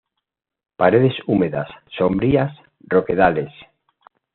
Paredes húmedas, sombrías, roquedales.